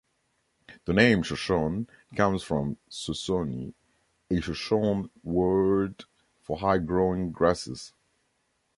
The name "Shoshone" comes from "Sosoni", a Shoshone word for high-growing grasses.